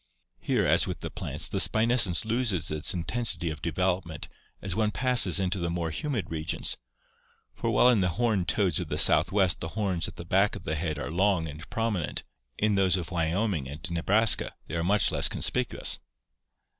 Here, as with the plants, the spines cence loses its intensity of development as one passes into the more humid regions, for while in the homed toads of the Southwest the horns at the back of the head are long and prominent, in those of Wyoming and Nebraska they are much less conspicuous.